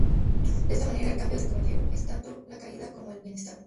De esta manera, el camino del caballero es tanto la caída como el bienestar.